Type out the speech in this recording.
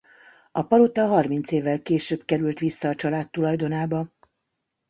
A palota harminc évvel később került vissza a család tulajdonába.